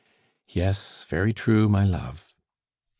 "Yes, very true, my love."